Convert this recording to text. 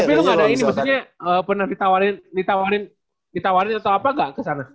tapi lu gak ada ini maksudnya pernah ditawarin ditawarin ditawarin atau apa gak kesana